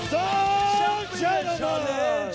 สร้างการที่กระทะนัก